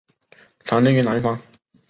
常见于南方。